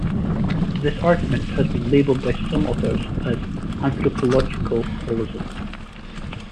This argument has been labeled by some authors as anthropological holism.